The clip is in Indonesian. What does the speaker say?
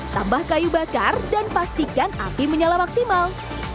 tambah kayu bakar dan pastikan api menyala maksimal